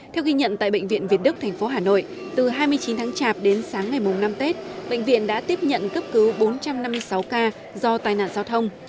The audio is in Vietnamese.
theo ghi nhận tại bệnh viện việt đức thành phố hà nội từ hai mươi chín tháng chạp đến sáng ngày mùng năm tết bệnh viện đã tiếp nhận cấp cứu bốn trăm năm mươi sáu ca do tai nạn giao thông